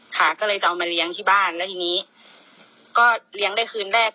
ค่ะก็เลยจะเอามาเลี้ยงที่บ้านแล้วทีนี้ก็เลี้ยงได้คืนแรก